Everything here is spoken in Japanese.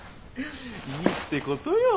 いいってことよ。